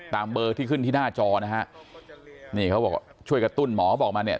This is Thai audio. เบอร์ที่ขึ้นที่หน้าจอนะฮะนี่เขาบอกช่วยกระตุ้นหมอบอกมาเนี่ย